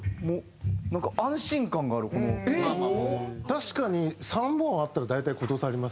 確かに３本あったら大体事足ります。